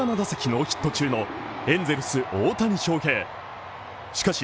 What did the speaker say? ノーヒット中のエンゼルス大谷翔平